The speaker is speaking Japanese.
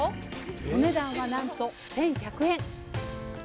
お値段はなんと１１００円。